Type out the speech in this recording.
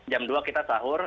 jam dua kita sahur